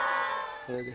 これで。